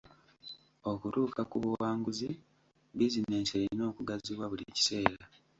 Okutuuka ku buwanguzi, bizinensi erina okugaziwa buli kiseera.